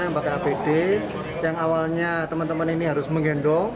yang pakai apd yang awalnya teman teman ini harus menggendong